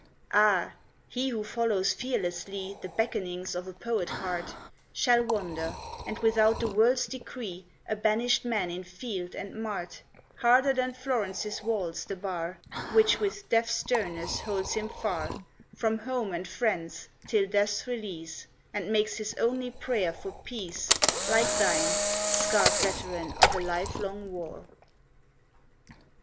Ah! he who follows fearlessly The beckonings of a poet heart Shall wander, and without the world's decree, A banished man in field and mart; Harder than Florence' walls the bar Which with deaf sternness holds him far From home and friends, till death's release, And makes his only prayer for peace, Like thine, scarred veteran of a lifelong war!